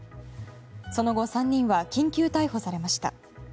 その後３人は緊急逮捕されました。